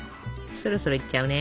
そろそろいっちゃうね。